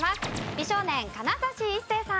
美少年金指一世さん。